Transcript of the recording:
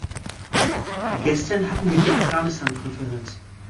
Gestern hatten wir die Afghanistan-Konferenz.